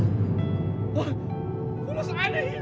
tapi jangan lama lama ya pak